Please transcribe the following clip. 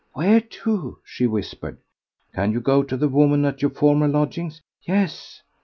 "Where to?" she whispered. "Can you go to the woman at your former lodgings?" "Yes!"